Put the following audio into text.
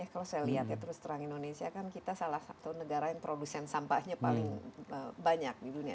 kalau saya lihat ya terus terang indonesia kan kita salah satu negara yang produsen sampahnya paling banyak di dunia